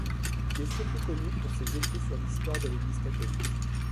Il est surtout connu pour ses écrits sur l'histoire de l'Église catholique.